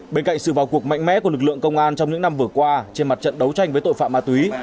bên cạnh sự vào cuộc mạnh mẽ của lực lượng công an trong những năm vừa qua trên mặt trận đấu tranh với tội phạm ma túy